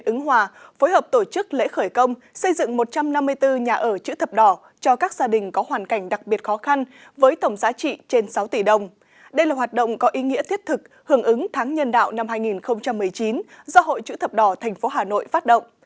tháng nhân đạo năm hai nghìn một mươi chín do hội chữ thập đỏ thành phố hà nội phát động